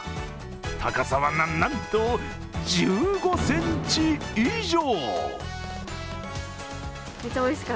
高さはなんと１５ｃｍ以上。